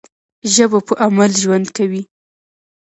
ژبه په عمل ژوند کوي.